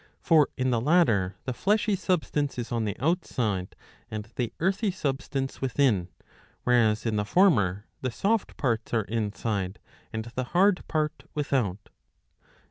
For in the latter the fleshy substance is on the outside and the earthy substance within, whereas in the former the soft parts are inside and the hard part without.